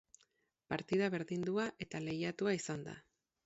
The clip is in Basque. Partida berdindua eta lehiatua izan da.